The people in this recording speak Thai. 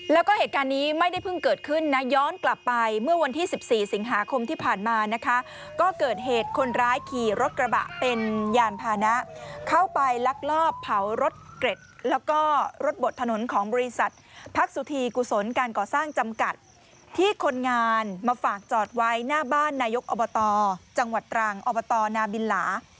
แล้วก็เหตุการณ์นี้ไม่ได้เพิ่งเกิดขึ้นนะย้อนกลับไปเมื่อวันที่๑๔สิงหาคมที่ผ่านมานะคะก็เกิดเหตุคนร้ายขี่รถกระบะเป็นยานพานะเข้าไปลักลอบเผารถเกร็ดแล้วก็รถบดถนนของบริษัทพักสุธีกุศลการก่อสร้างจำกัดที่คนงานมาฝากจอดไว้หน้าบ้านนายกอบตจังหวัดตรังอบตนาบินหลา